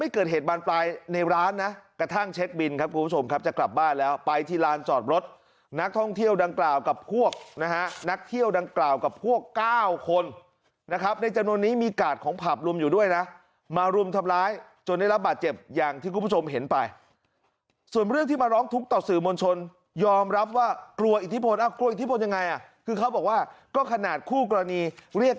กระทั่งเช็คบินครับคุณผู้ชมครับจะกลับบ้านแล้วไปที่ร้านจอดรถนักท่องเที่ยวดังกล่าวกับพวกนะฮะนักเที่ยวดังกล่าวกับพวก๙คนนะครับในจำนวนนี้มีกาลของผับรวมอยู่ด้วยนะมารุมทำร้ายจนได้รับบัตรเจ็บอย่างที่คุณผู้ชมเห็นไปส่วนเรื่องที่มาร้องทุกข์ต่อสื่อมวลชนยอมรับว่ากลัวอิทธิพนธ์กล